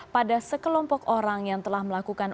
pada sekelompok orang yang telah melakukan